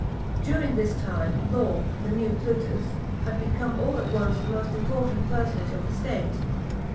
During this time, Law, the new Plutus, had become all at once the most important personage of the state.